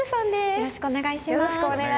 よろしくお願いします。